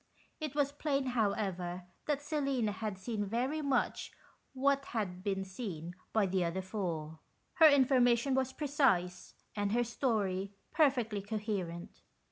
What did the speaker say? It was plain, however, that Selina had seen very much what had been seen by the other four. Her information was precise, and her story perfectly coherent.